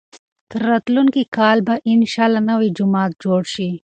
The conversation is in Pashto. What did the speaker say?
تر راتلونکي کاله به انشاالله نوی جومات جوړ شي.